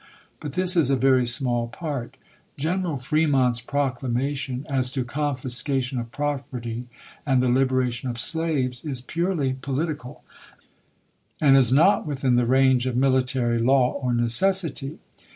But this is a very smaU part. General Fremont's proclamation, as to confiscation of property, and the liberation of slaves, is purely political and not within the range of military law or necessity.